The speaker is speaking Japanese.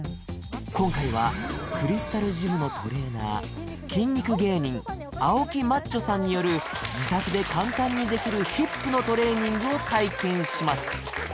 今回はクリスタルジムのトレーナー筋肉芸人青木マッチョさんによる自宅で簡単にできるヒップのトレーニングを体験します！